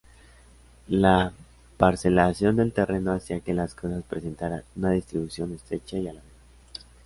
La parcelación del terreno hacía que las casas presentaran una distribución estrecha y alargada.